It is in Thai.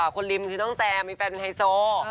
คนริมคือน้องแจมมีแฟนไฮโซ